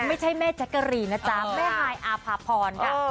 ไม่ใช่แม่แจ๊กกะรีนนะจ๊ะแม่ฮายอาภาพรค่ะ